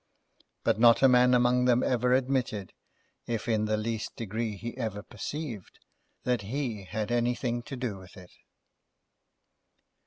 But not a man among them ever admitted, if in the least degree he ever perceived, that he had anything to do with it.